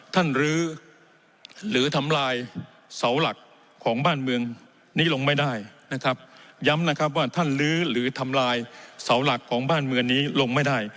ลื้อหรือทำลายเสาหลักของบ้านเมืองนี้ลงไม่ได้นะครับย้ำนะครับว่าท่านลื้อหรือทำลายเสาหลักของบ้านเมืองนี้ลงไม่ได้